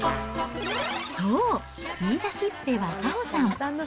そう、言い出しっぺは早穂さん。